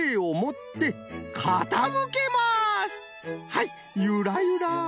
はいゆらゆら